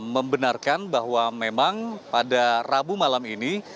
membenarkan bahwa memang pada rabu malam ini